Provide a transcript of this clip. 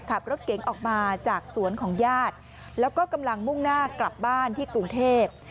ขับรถเก๋งออกมาจากสวนของญาติแล้วก็กำลังมุ่งหน้ากลับบ้านที่กรุงเทพ